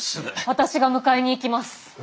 私が迎えに行きます。